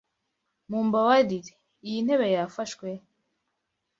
Mumbabarire, iyi ntebe yafashwe?